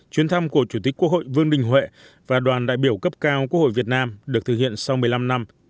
chuyến thăm của chủ tịch quốc hội vương đình huệ và đoàn đại biểu cấp cao quốc hội việt nam được thực hiện sau một mươi năm năm